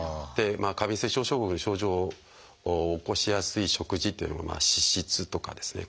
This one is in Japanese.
過敏性腸症候群の症状を起こしやすい食事っていうのが脂質とかですね